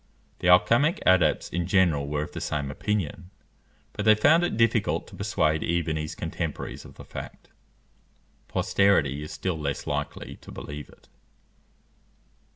The alchymic adepts in general were of the same opinion; but they found it difficult to persuade even his contemporaries of the fact. Posterity is still less likely to believe it.